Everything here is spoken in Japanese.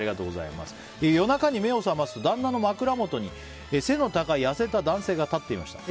夜中に目を覚ますと旦那の枕元に背の高い痩せた男性が立っていました。